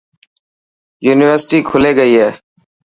يونيورسٽي کلي گئي هي.